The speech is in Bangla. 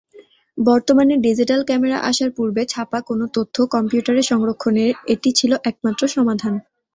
বর্তমানে ডিজিটাল ক্যামেরা আসার পূর্বে ছাপা কোন তথ্য কম্পিউটারে সংরক্ষণের এটি ছিল একমাত্র সমাধান।